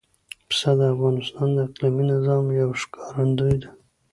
پسه د افغانستان د اقلیمي نظام یو ښکارندوی ده.